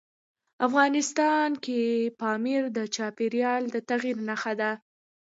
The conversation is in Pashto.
افغانستان کې پامیر د چاپېریال د تغیر نښه ده.